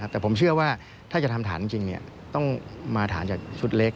แต่ผมเชื่อว่าถ้าจะทำฐานจริงต้องมาฐานจากชุดเล็ก